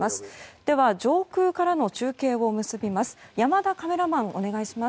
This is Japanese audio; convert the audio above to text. では、上空からの中継を結びます。